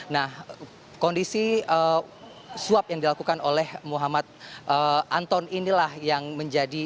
nah kondisi suap yang dilakukan oleh muhammad anton inilah yang menjadi